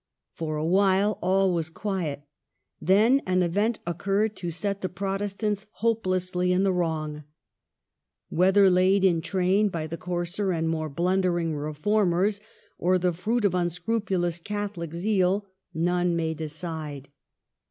For a while all was quiet. Then an event occurred to set the Protestants hopelessly in the wrong. Whether laid in train by the coarser and more blundering Reformers, or the fruit of unscrupulous Catholic zeal, none may decide. THE SORBONNE.